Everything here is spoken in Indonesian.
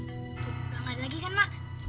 udah gak ada lagi kan mak